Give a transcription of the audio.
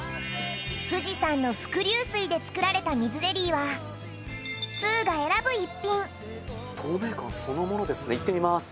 富士山の伏流水で作られた水ゼリーは透明感そのものですね行ってみます。